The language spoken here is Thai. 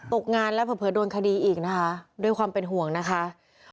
ตกงานแล้วเผลอโดนคดีอีกนะคะด้วยความเป็นห่วงนะคะ